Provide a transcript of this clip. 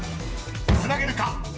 ［つなげるか⁉］